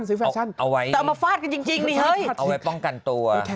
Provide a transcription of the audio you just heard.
เอาไว้ป้องกันตัว